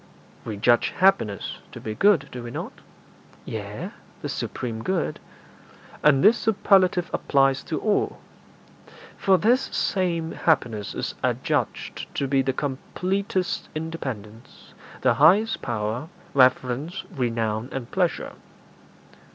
'We judge happiness to be good, do we not?' 'Yea, the supreme good.' 'And this superlative applies to all; for this same happiness is adjudged to be the completest independence, the highest power, reverence, renown, and pleasure.'